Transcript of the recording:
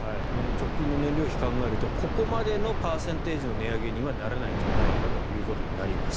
直近の燃料費を考えるとここまでのパーセンテージの値上げにはならないんじゃないかということになります。